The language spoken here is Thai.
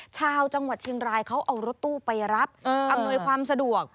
ชาวจังหวัดเชียงรายเขาเอารถตู้ไปรับอำนวยความสะดวก